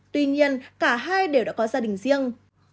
tuy nhiên cả hai đều đã có gia đình riêng